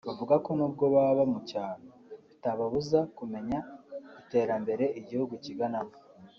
Bavuga ko n’ubwo baba mu cyaro bitababuza kumenya iterambere igihugu kiganamo